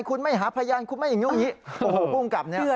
คุณไม่หาพยานคุณไม่อย่างนี้โอ้โหภูมิกับเนี่ย